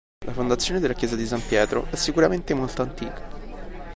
La fondazione della chiesa di San Pietro è sicuramente molto antica.